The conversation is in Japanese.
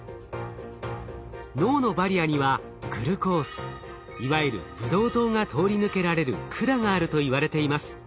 脳のバリアにはグルコースいわゆるブドウ糖が通り抜けられる管があるといわれています。